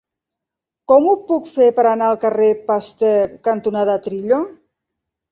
Com ho puc fer per anar al carrer Pasteur cantonada Trillo?